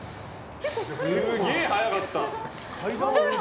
すげえ速かった。